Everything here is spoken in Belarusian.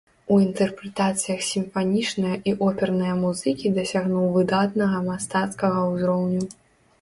У інтэрпрэтацыях сімфанічнае і опернае музыкі дасягнуў выдатнага мастацкага ўзроўню.